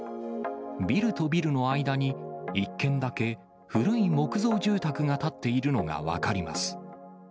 ビルとビルの間に１軒だけ、古い木造住宅が建っているのが分かります。